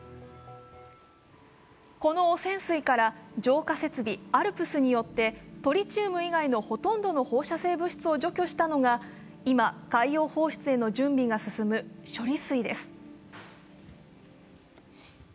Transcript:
この汚染水から浄化設備＝ＡＬＰＳによって、トリチウム以外のほとんどの放射性物質を除去したのが今、海洋放出への準備が進む処理水です。